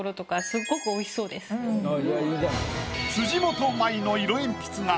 辻元舞の色鉛筆画